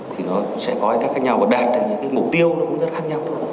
thì nó sẽ có cách khác nhau và đạt được những mục tiêu nó cũng rất khác nhau